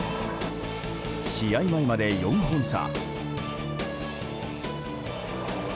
試合前まで４本差。